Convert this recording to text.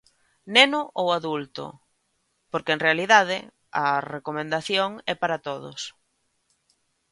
Neno ou adulto, porque en realidade a recomendación é para todos.